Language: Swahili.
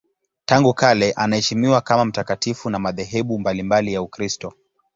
Tangu kale anaheshimiwa kama mtakatifu na madhehebu mbalimbali ya Ukristo.